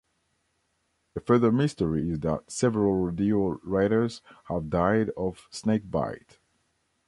A further mystery is that several rodeo riders have died of snakebite.